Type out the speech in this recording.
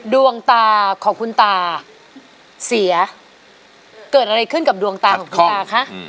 ดวงตาของคุณตาเสียเกิดอะไรขึ้นกับดวงตาของคุณตาคะ